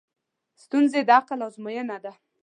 ستونزې د عقل ازموینه ده.